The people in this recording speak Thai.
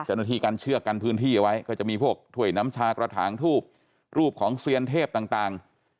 เจ้าหน้าที่กันเชือกกันพื้นที่เอาไว้ก็จะมีพวกถ้วยน้ำชากระถางทูบรูปของเซียนเทพต่าง